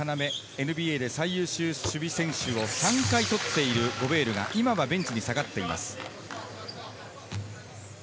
ＮＢＡで最優秀守備選手を３回取っているゴベールが今はベンチに下がっています。